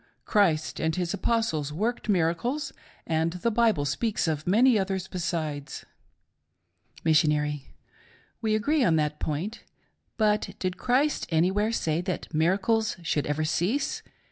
Christ and His Apostles worked miracles, and the Bible speaks of many others besides. M. : We agree on that point. But did Christ anywhere say that miracles should ever cease